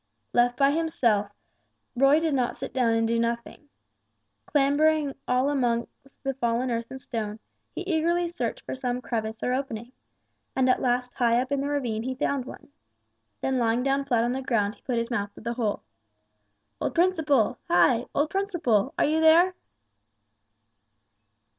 Left by himself, Roy did not sit down and do nothing. Clambering all amongst the fallen earth and stone, he eagerly searched for some crevice or opening; and at last high up in the ravine he found one. Then lying down flat on the ground he put his mouth to the hole. "Old Principle! Hi! Old Principle! Are you there?"